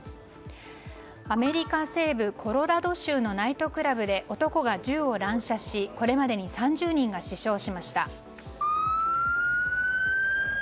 アメリカ西部コロラド州のナイトクラブで男が銃を乱射しこれまでに３０人が死傷しました。